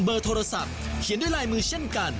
โทรศัพท์เขียนด้วยลายมือเช่นกัน